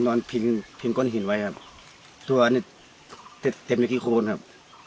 ก็เนินก้นหินไว้ครับตัวนี้เต็มไปคิ้งโคนครับ